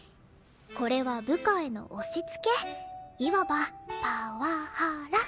これは部下への押しつけいわばパ・ワ・ハ・ラですから！